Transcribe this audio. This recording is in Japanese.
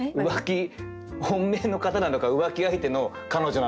本命の方なのか浮気相手の彼女なのか。